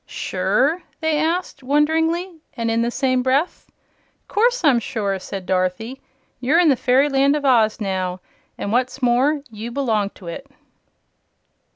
"Sure?" they asked, wonderingly, and in the same breath. "Course I'm sure," said Dorothy. "You're in the Fairyland of Oz, now; an' what's more, you belong to it!"